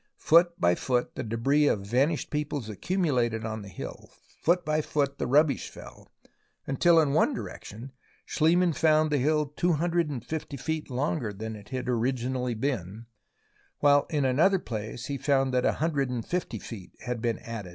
Foot by foot the debris of vanished peoples accumulated on the hill, foot by foot the rubbish fell, until in one direction Schlie mann found the hill 250 feet longer than it had originally been, while in another place he found that 150 feet had been added